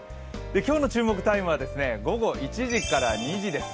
今日の注目タイムは午後１時から２時です。